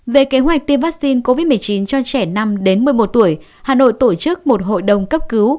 về kế hoạch tiêm vaccine covid một mươi chín cho trẻ năm đến một mươi một tuổi hà nội tổ chức một hội đồng cấp cứu